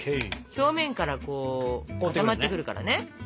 表面からこう固まってくるからね。